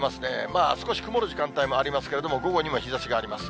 まあ少し曇る時間帯もありますけれども、午後にも日ざしがあります。